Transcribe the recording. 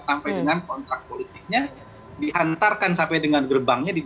sampai dengan kontrak politiknya dihantarkan sampai dengan gerbangnya di dua ribu dua puluh empat